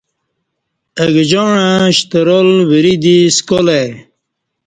اگہ جاعں شترال وری دی سکال ای